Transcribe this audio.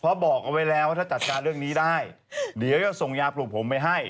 เพราะบอกเอาไว้แล้วว่าถ้าจัดการเรื่องนี้ได้เดี๋ยวจะส่งยาปลูกผมไปให้